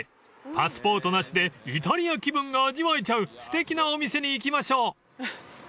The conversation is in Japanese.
［パスポートなしでイタリア気分が味わえちゃうすてきなお店に行きましょう］